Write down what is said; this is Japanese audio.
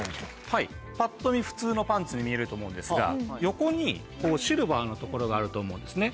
はいぱっと見普通のパンツに見えると思うんですが横にシルバーの所があると思うんですね。